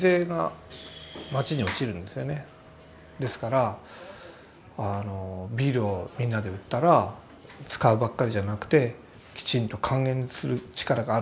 ですからビールをみんなで売ったら使うばっかりじゃなくてきちんと還元する力がある。